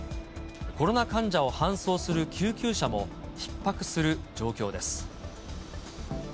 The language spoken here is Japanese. コロナ患者を搬送する救急車もひっ迫する状況です。